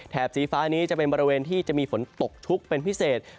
สีฟ้านี้จะเป็นบริเวณที่จะมีฝนตกชุกเป็นพิเศษ